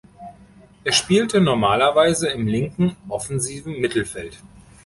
Er spielte normalerweise im linken offensiven Mittelfeld.